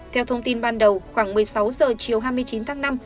theo thông tin ban đầu khoảng một mươi sáu h chiều hai mươi chín tháng năm